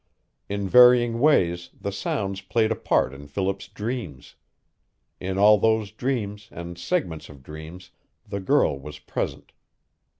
In varying ways the sounds played a part in Philip's dreams. In all those dreams, and segments of dreams, the girl was present.